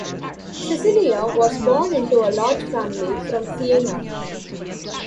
Cecilia was born into a large family from Siena.